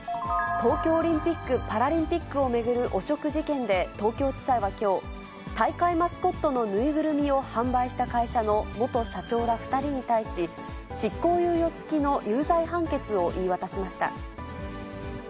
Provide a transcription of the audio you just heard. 東京オリンピック・パラリンピックを巡る汚職事件で、東京地裁はきょう、大会マスコットの縫いぐるみを販売した会社の元社長ら２人に対し、執行猶予付きの有罪判決を言い渡しました。